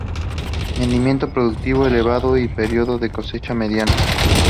Rendimiento productivo elevado y periodo de cosecha mediano.